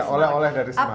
oleh olehnya dari semarang